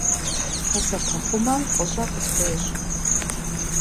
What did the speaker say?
Хьэсэпэхъумэм фӏыщӏэ къысхуещӏ.